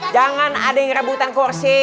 jangan ada yang rebutan kursi